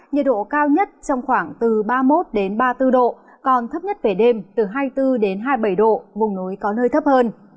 nhiệt độ cao nhất trong khoảng từ ba mươi một ba mươi bốn độ còn thấp nhất về đêm từ hai mươi bốn hai mươi bảy độ vùng núi có nơi thấp hơn